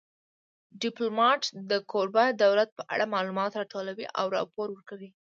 ډیپلومات د کوربه دولت په اړه معلومات راټولوي او راپور ورکوي